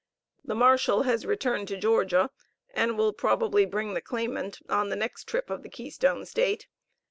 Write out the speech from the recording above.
The Marshal has returned to Georgia, and will probably bring the claimant on the next trip of the Keystone State.